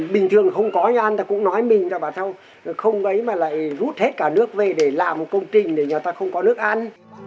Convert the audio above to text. bình thường không có nhà ăn ta cũng nói mình là bảo sao không ấy mà lại rút hết cả nước về để làm một công trình để nhà ta không có nước ăn